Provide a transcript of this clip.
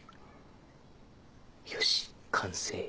よし完成。